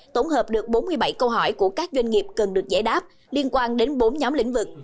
tổng hợp được bốn mươi bảy câu hỏi của các doanh nghiệp cần được giải đáp liên quan đến bốn nhóm lĩnh vực